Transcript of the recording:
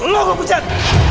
lo gak pecat